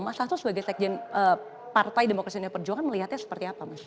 mas hasto sebagai sekjen partai demokrasi indonesia perjuangan melihatnya seperti apa mas